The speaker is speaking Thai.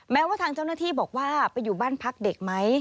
แม้ว่าทางเจ้าหน้าที่บอกว่าไปอยู่บ้านพักเด็กไหม